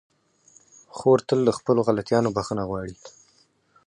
خور تل له خپلو غلطيانو بخښنه غواړي.